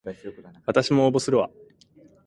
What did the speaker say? わたしも応募するわ